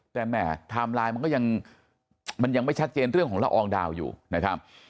แต่แหม่ไทม์ไลน์มันก็ยังมันยังไม่ชัดเจนเรื่องของละอองดาวอยู่นะครับ